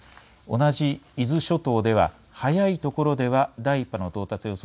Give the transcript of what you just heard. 同じ伊豆諸島では早いところでは第１波の到達予想